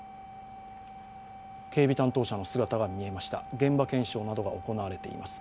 警備担当者の姿が見えました、現場検証などが行われています。